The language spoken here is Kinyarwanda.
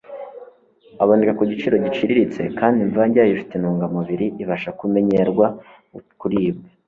aboneka ku giciro giciriritse kandi imvange yayo ifite intungamubiri ibasha kumenyerwa kuribwa